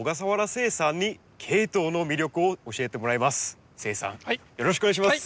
誓さんよろしくお願いします！